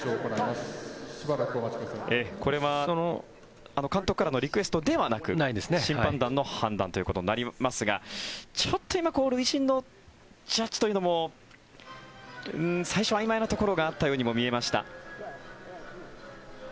これは監督からのリクエストではなく審判団の判断ということになりますがちょっと今塁審のジャッジというのも最初、あいまいなところがあったようにも見えました。